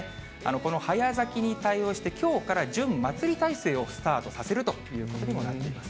この早咲きに対応して、きょうから準祭り態勢をスタートさせるということになってます。